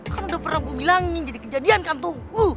kan udah pernah gua bilangin jadi kejadian kan tugu